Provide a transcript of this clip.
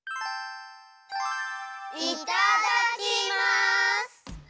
いただきます！